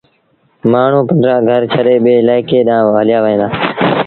مآڻهوٚݩ پنڊرآ گھر ڇڏي ٻي الآئيڪي ڏآنهن هليآوهيݩ دآ۔